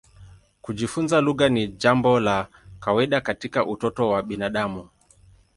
Kujifunza lugha ni jambo la kawaida katika utoto wa binadamu.